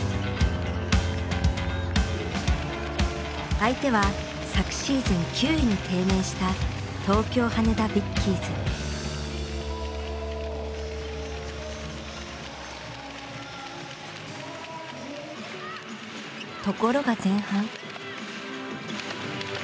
相手は昨シーズン９位に低迷したところが前半。